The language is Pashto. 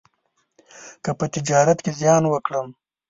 که په تجارت کې زیان وکړم،